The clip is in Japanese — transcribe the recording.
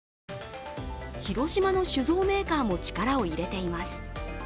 広島の酒造メーカーも力を入れています。